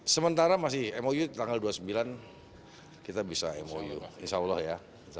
sementara masih mou tanggal dua puluh sembilan kita bisa mou insya allah ya